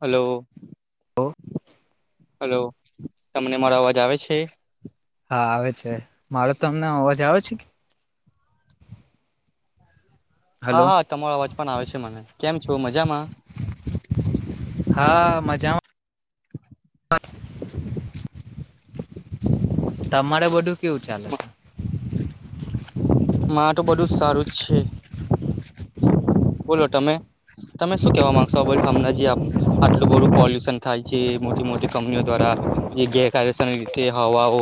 Hello, hello hello. [unintelligible] તમને, [unintelligible] મારો અવાજ આવે છે. હા આવે છે. મારો તમને, અવાજ આવે છે. કે હા, હલો હા તમારો અવાજ પણ આવે છે મને કેમ છો. મજામાં. [unintelligible] હા, મજામાં. હ [inaudible] તમારે, બધું કેવું ચાલે છે. તો બધું જ સારું જ છે. [unintelligible] બોલો તમે તમે શું કેવા માંગશો હમણાં જે આટલું બધું પોલ્યુશન, થાય છે. મોટી મોટી કંપનીઓ દ્વારા જે ગેરકાયદેસર રીતે હવાઓ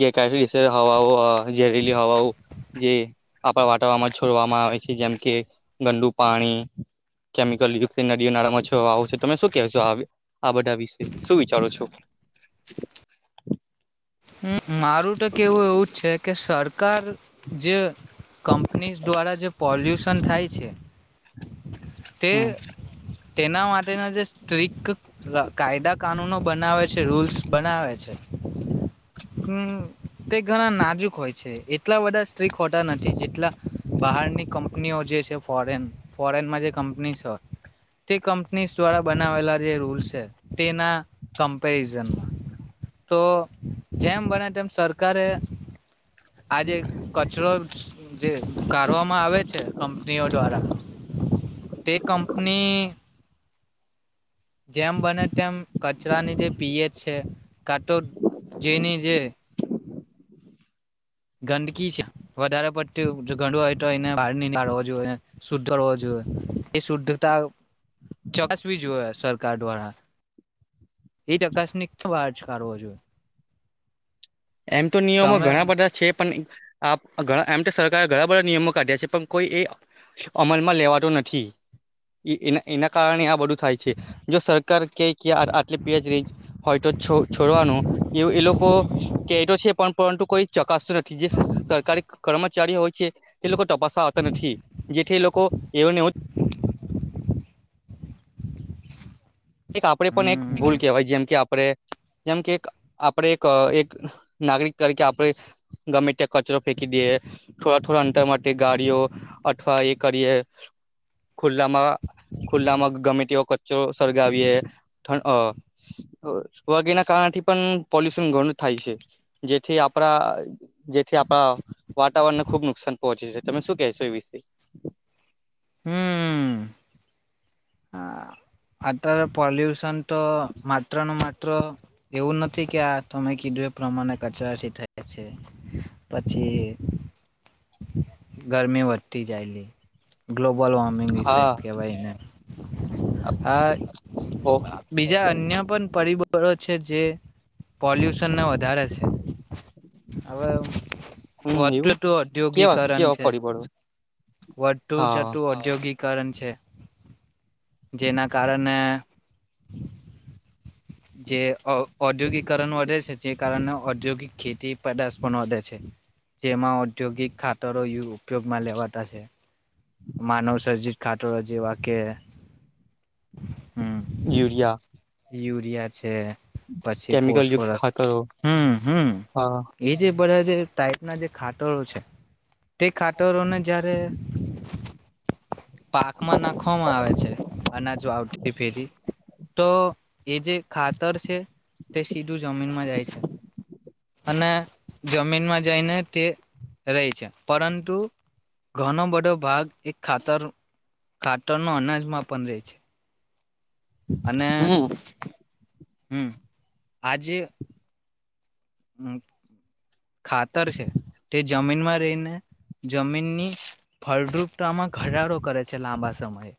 ગેરકાયદેસર રીતે હવાઓ ઝેરીલી હવાઓ જે આપણા, વાતવરણમાં. છોડવામાં આવે છે. જેમ કે ગંંદુ પાણી કેમિકલ યુત નદીઓ નાળામાં જલ આવો છે. તમે શું કે છો આ બધા વિશે શું વિચારો છો. [unintelligible] હમ [inaudible] મારું, તો કેવું એવું જ છે. કે સર સરકાર જે કંપની ઝ દ્વારા જે પોલ્યુશન થાય છે. તે હમ તેના માટેના જે સ્ટ્રીિક કાયદા કાનૂનો બનાવે છે. રૂલ [unintelligible] બનાવે છે. હમ. તે ઘણા નાજુક હોય છે. [unintelligible] એટલા બધા સ્ટ્રીિક હોતા નથી જેટલા બહારની કંપનીઓ જે છે. ફોરેન ફોરેનમાં જે કંપનીઝ હોય તે કંપનીઝ દ્વારા બનાવેલા જે રૂલ્સ છે. તેના કમ્પેરિઝન માં તો [unintelligible] જેમ બને તેમ સરકારે આજે, કચરો. જે કરવામાં આવે છે. કંપનીઓ દ્વારા તે કંપની. જેમ બને તેમ કચરા ની જેે પીએ એ. છે. કાટો. [unintelligible] જેની, જે. ગંદકી છે વધારે પડતી ગ હોય તો એને બહાર નીકાળવો જોઈએ. શુદ્ધ કરવો જોઈએ. એ શુદ્ધતા ચકાસવી જોઈએ. સરકાર, દ્વારા એ ચકાસણી બહાર કાઢવી જોઈએ. એમ તો નિયમો તમે ઘણા બધા છે. પણ, આપ એમ તો સરકારે ઘણા બધા નિયમો કાઢ્યા છે પણ કોઈ એ અમલમાં લેવાતો નથી એના કારણે આ બધું. [unintelligible] થાય છે. જો સરકાર ક કે આટલી નજર હોય તો છોડવાનું, એ એ લોકો. છે. પણ પરંતુ કોઈ જ ચક્ર. કસરત નથી જે સરકારી કર્મચારીઓ. [unintelligible] ચારીયો હોય છે. તે લોકો તપાસવા આવતા નથી જેથી લોકો એવને એવું [unintelligible] એક આપડે પન એક હમ ભૂલ કેહેવાય, જેમ કે આપડે જેમ કે, આપડે એક એક નાગરિક તરીકે આપણે ગમે ત્યા કચરો ફેંકી દીએ થોડા થોડા અંતર માટે ગાડીઓ અથવા એ કરીએ ખુલ્લામાં ખુલ્લામાં ગમે તેવો ક ચ સર ગાવીએ ઠં અ વગેના એના કારણથી પણ પોલ્યુશન ઘણું થાય છે. જેથી આપણા જેથી આપણા વાતાવરણને ખુબ નુકસાન પહોંચે છે. તમે શું કેશો એ વિશે? હમ હ! અત્યારે પોલ્યુશન તો માત્ર ને માત્ર એવું નથી કે આ તમે કીધું એ પ્રમાણે કચરાથી થાય છે. પછી ગરમી વધતી જાયલી ગ્લોબલ વોર્મિંગ હા ઇફેક્ટ કહેવાય એને. હા! ઓહ બીજા અન્ય પણ પરિબળો છે જે પોલ્યુશન ના વધા રે છે. હવે હમ એવું વધતું તું કેવા ઔધ્યોગિકરણ કેવા છે, પરિબળો વધતું હા જતું ઔધ્યોગિક કારણ છે? જેના કારને જે ઓ ઔદ્યોગિકરણ વધે છે, જે કારણે ઔદ્યોગિક ખેતી પેદાશ પણ વધે છે. જેમાં ઔદ્યોગિક ખાતરો યુ ઉપયોગમાં લેવાતા છે. માનવ સરજીત ખાતરો જેવા કે! યુરિયા યા છે. પછી કેમિકલ યુક્ત ફોસફરસ. ખાતરો હમ હમ હા એ જે બધાં જે ટાઈપના જે ખાતરો છે. તે ખાટરો ને જયારે પાકમાં નાખવામાં આવે છે. અનાજ વાવટી ફેરી તો એ જે ખાતર છે તે સીધું જમીનમાં જાય છે અને જમીનમાં જઈને તે રેય છે. પરંતુ! ઘનો બધો ભાગ એક ખાતર ખાતર નો અનાજમાં પણ રેય છે. અને હમ હમ આજે હમ ખાતર છે, તે જમીનમાં રહીને જમીનની ફળદ્રુપતામાં ઘટાડો કરે છે, લાંબા સમયે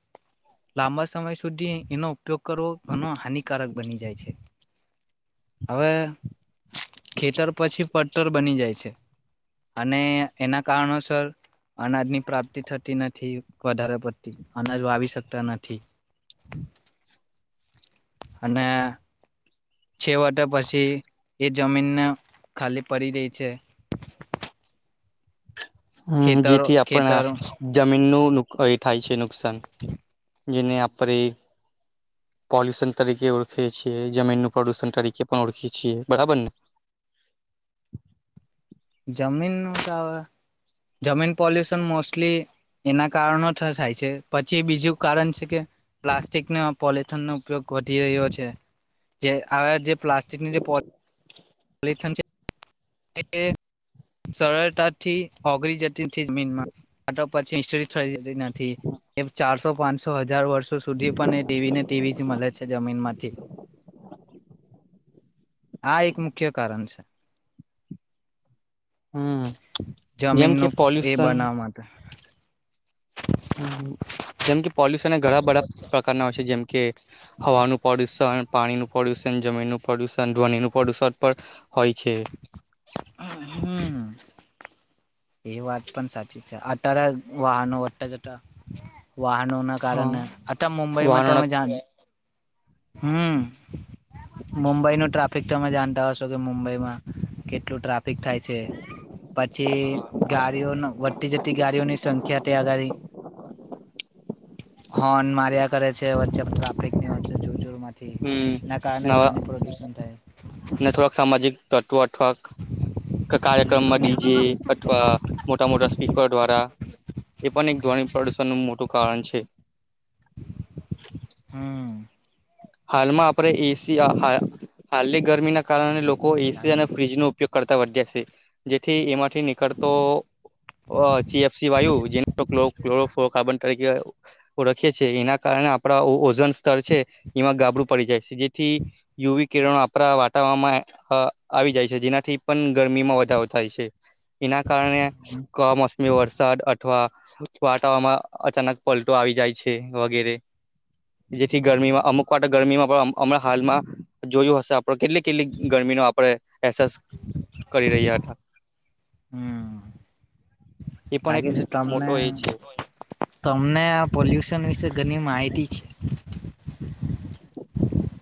લાંબા સમય સુધી એનો ઉપયોગ કરવો ઘણો હાનિકારક બની જાય છે. હવે ખેતર પછી પડટર બની જાય છે, અને એના કારણોસર અનાજની પ્રાપ્તિ થતી નથી વધારે પડતી અનાજ વાવી શકતા નથી. અને છેવટે પછી એ જમીનને ખાલી પડી રેય છે. હમ ખેતરો જેથી આપણા ખેતરો જમીનનું કઈ થાય છે. ન નુકસાન જેને આપણે પોલ્યુશન તરીકે ઓળખીએ છીએ જમીન ન પ્રદ્યુષણ તરીકે પણ ઓળખીએ છીએ બરાબર ને જમીનનું તો જમીન પોલ્યુશન મોસ્ટલી એના કારણો થાય છે પછી બીજું કારણ છે કે પ્લાસ્ટિકનો પોલથનનો ઉપયોગ વધી રહ્યો છે જે હ જે પ્લાસ્ટિકની જે પોલ સરળતાથી ઓગરી જતી નથી જમીનમાં પછી થ જતી નથી એ ચારસો પાંચસો હજાર વર્ષ સુધી પણ એ ટીવી ને ટીવી જ મળે છે જમીન માંથી હા એક મુખ્ય કારણ છે હમ જમીન જેમ કે નું એ પોલ્યુશન બનાવ હમ જેમ કે પોલ્યુશન ઘણા બધા પ્રકારના હોય છે જેમ કે હવાનું પ્રદુષણ પાણી નું પ્રદ્યુષણ જમીનનુંું પ્રદુષણ ધ્વનિ નું પ્રદુષણ પણ હોય છે હમ એ વાત પણ સાચી છે અટાર વાહનો વટ જટા વાહનો ના કારણે અ મુંબઈમાં તો વાહનોના અમે જાને હમ મુંબઈનુંું ટ્રાફિક તમે જાણતા હ છો કે મુંબઈમાં કેટલું ટ્રાફિક થાય છે પછી ગાડીઓ વધતી જતી ગાડીઓની સંખ્યા તે આગળ હોર્ન માર્યા કરે છે વચ્ચે ટ્રાફિક હમ ના નવા કારણે્રોહ પ્રદુષણ થાય ને થોડાક સામાજિક તત્વઆથક કાર્યક્રમમાં ડીજે અથવા મોટા મોટા સ્પીકર દ્વારા એ પણ એક ધ્વની પ્રદુષણ નનું મોટું [inaudible] હમ હાલમાં આપણે એસી હાલની ગરમીના કારણે લોકો ચાર એસી અને મિનિટ ફ્ર્રીજ નો ઉપયોગ કરતા વધ્યા છે જેથી એમાંથી નીકળતો સીફસી વાયુ જેને કાર્બન તરીકે ઓળખીએ છીએ એના કારણે આપણા ઓજન સ્તર છે એમાં ગાબડું પડી જાય છે જેથી યુવિક કિરણો આપણા વાટવણમાં આવી જાય છે જેનાથી પણ ગરમીમાં વધારો થાય છે એના કારણે કમોસમી વરસાદ અથવા છવાટાવામાં અચાનક પલટો આવી જાય છે વગેરે જેથી ગરમીમાં અમુક ગરમીમાં પણ હમણાં હાલમાં જોયું હશે કેટલી કેટલી ગરમીનોો આપણેે એહેસાસ કરી રહ્યા હતા હમ એ પણ એક લાગે છે તમને મોટો એ છે [inaudible] ઘની માહિતી છે [inaudible]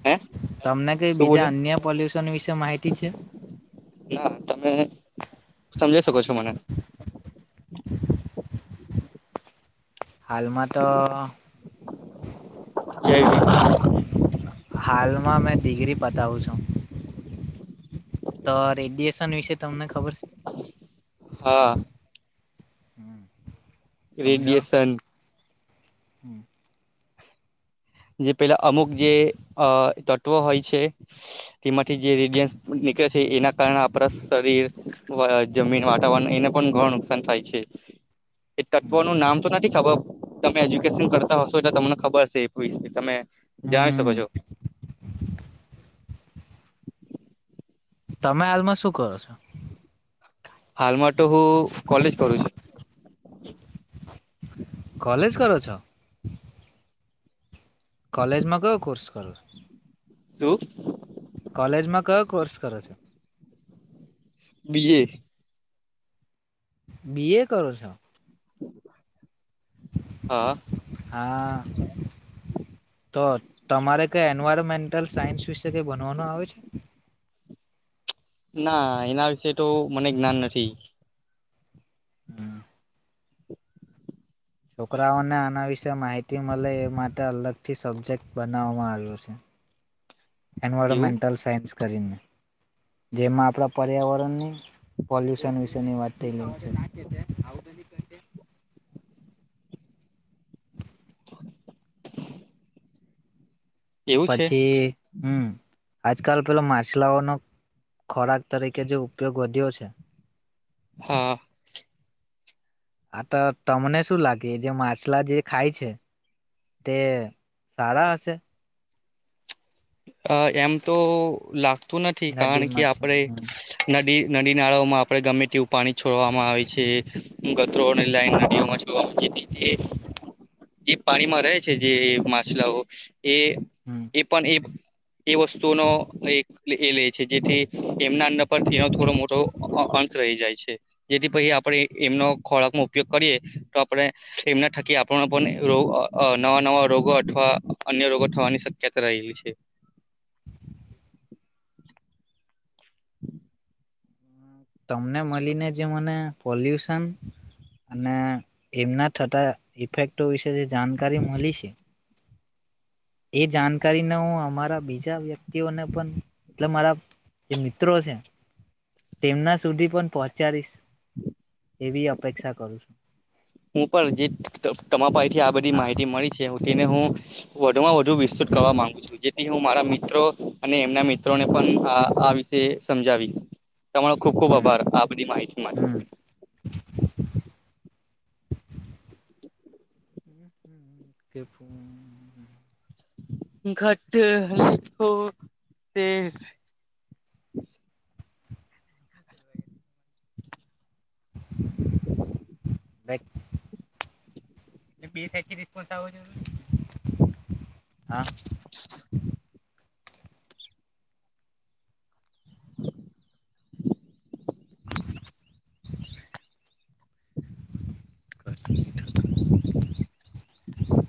તમને કઈ શું બીજા બોલ્યા અન્ય પોલ્યુશન વિશે માહિતી છે ના તમે સમજી શકો છો મને હાલમાં તો હાલમાં મેં ડિગ્રી બતાવુ તો રેડિએશન વિશે તમને ખબર છે હા હુમ રેડિયેશન હુમ જે પેલા અમુક જે તત્વો હોય છે તેમાંથી જે જે પેલા અમુકતતવો રેડયસ નીકળે છે એના કારણે આપણા શરીર જમીન વાતાવરણ એને પણ ઘણું નુકસાન થાય છે એ તત્વો નું નામ તો નથી ખબર તમે એજ્યુકેશન કરતા હશો એટલે તમને ખબર હસે શ તમે [inaudible] [unintelligible] [inaudible] [inaudible] જણી શકો હમ છો તમે હાલમાં શું કરો છો હાલમાં તો હું કોલેજ કરું છું કોલેજ કરો છો કોલેજ માં કયો કોર્સ કલ [inaudible] [inaudible] શું કોલેજમાં કયો કોર્સ કરો છો બીએ બી એ કરો છો હા હા તો તમારે કઈ એન્વાયરમેન્ટલ સાયન્સ વિશે બનવાનો આવે છે ના એના વિશે તો મને જ્ઞાન નથી હમ [unintelligible] [inaudible] [inaudible] [inaudible] [unintelligible] [inaudible] [inaudible] છોકરાઓને આના વિશે માહિતી મળે એ માટે અલગથી સબ્જેક્ટ બનાવામાં આવ્યો છે એવું એનવાયરોમેન્ટલ સાયન્સ કરીને જેમાં આપણા પર્યાવરણની પોલ્યુશન વિશેની વાત થઇ ગઇ છે [unintelligible] [unintelligible] [unintelligible] [unintelligible] [inaudible] એવું છે પછી હુમ આજકાલ પેલો માછલાઓનો ખોરાક તરીકે જે ઉપયોગ વધ્યો છે હા આ તો તમને શું લાગે જે માછલા જે ખાય છે તે સારા હશે અ એમ તો લાગ નથી કારણ કે નદીમાંથી આપણેે નદી નદી નાળાઓમાં આપણે ગમે તેવું પાણી છોડવામાં આવે છે ગટરોની લાઈન નદીઓમાં છોડ મૂકી દીધી એ પાણીમાં રહે છે જે માછલાઓ એ હમ એ પણ એ પ એ વસ્તુનો લાઈક [unintelligible] છે જેથી એમના અંદર પર એનો થોડો મોટો અંશ રહી જાય છે જેથી પછી આપણે એમનો ખોરાક ન ઉપયોગ કરીએ તો આપણે એમના થકી આપણ પણ નવા નવા રોગો અથવા અન્ય રોગો થવાની શક્યતા રહેલી છે તમને મળીને જે મને પોલ્યુશન અને એમના થતા ઇફેક્ટો વિશે જે જાણકારી મળી છે એ જાણકારીને હું અમારા બીજા વ્યક્તિઓને પણ મતલબ મારા જે મિત્રો છે તેમના સુધી પણ પહોચાડીશ એવી અપેક્ષા કરું છું હું પણ જે તમ તમા પાસેથી આ બધી હા માહિતી મળી છે તેને હું વધુ માં વધુ વિસ્તૃત કરવા માંગુ છું જેથી હું મારા મિત્રો ત્રો અને એમના મિત્રોને પણ આ વિશે સમજાવીશ તમારો ખુબ ખુબ હમ આભાર આ બધી માહિતી માટે હ હ કેપ [inaudible] ઘટ ઓ તેજ ર આવ જો હા [unintelligible] [inaudible] આઇ થિંક